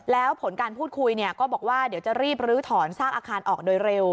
แล้วผลการพูดคุยก็บอกว่าเดี๋ยวจะรีบลื้อถอนซากอาคารออกโดยเร็ว